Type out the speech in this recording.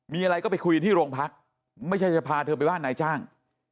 มีอะไรก็ไปคุยกันที่โรงพักไม่ใช่จะพาเธอไปบ้านนายจ้าง